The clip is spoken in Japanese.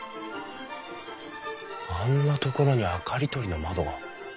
あんなところに明かり取りの窓が。